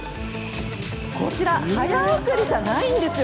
こちら早送りじゃないんですよ。